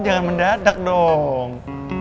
jangan mendadak dong